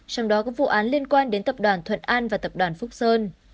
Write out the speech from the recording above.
trong đó có vụ án liên quan đến tập đoàn thuận an và tập đoàn phúc sơn